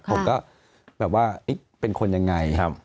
ผมก็แบบว่าเป็นคนยังไง